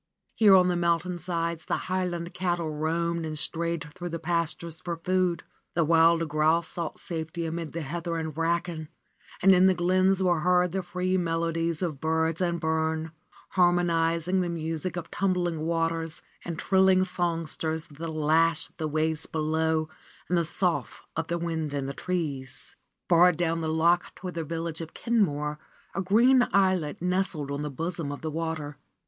Here on the mountainsides the highland cattle roamed and strayed through the pastures for food, the wild RENUNCIATION OF FRA SIMONETTA 95 grouse sought safety amid the heath and bracken, and in the glens were heard the free melodies of bird and burn, harmonizing the music of tumbling waters and trilling songsters with the lash of the waves below and the sough of the wind in the trees. Far down the loch toward the village of Kenmore a green islet nestled on the bosom of the water.